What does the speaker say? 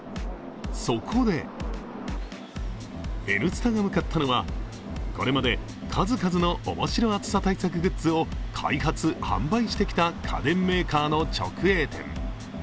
そこで、「Ｎスタ」が向かったのはこれまで数々の面白暑さ対策グッズを開発、販売してきた家電メーカーの直営店。